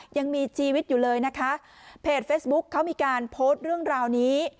ยังมีชีวิตอยู่เลยนะคะเพจเฟซบุ๊คเขามีการโพสต์เรื่องราวนี้